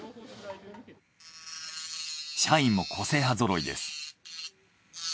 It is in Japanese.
社員も個性派ぞろいです。